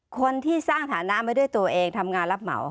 คนที่สร้างฐานะไว้ด้วยตัวเองทำงานรับเหมา